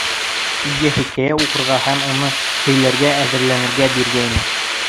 Өйгә хикәйә уҡырға һәм уны һөйләргә әҙерләнергә бирелгәйне.